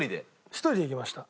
１人で行きました。